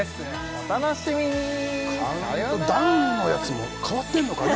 お楽しみにさよなら「カウントダウン！」のやつも変わってんのかね